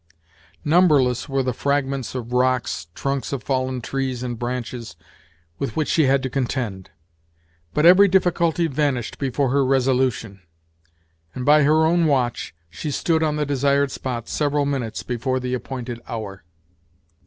Numberless were the fragments of rocks, trunks of fallen trees, and branches, with which she had to contend; but every difficulty vanished before her resolution, and, by her own watch, she stood on the desired spot several minutes before the appointed hour.